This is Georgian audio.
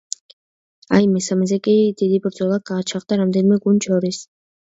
აი მესამეზე კი დიდი ბრძოლა გაჩაღდა რამდენიმე გუნდს შორის.